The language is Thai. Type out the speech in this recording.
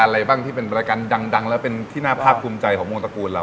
อะไรบ้างที่เป็นรายการดังแล้วเป็นที่น่าภาคภูมิใจของวงตระกูลเรา